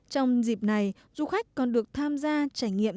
trong dịp này du khách còn được tham gia trải nghiệm